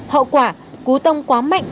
hậu quả cú tông quá mạnh